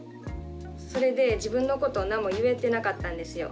それで自分のことを何も言えてなかったんですよ。